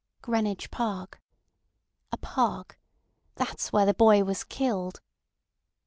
Greenwich Park. A park! That's where the boy was killed.